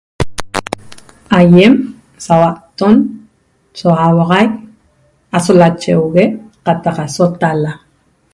Aiem sauatton so auaxaic aso lacheugue qataq aso tala'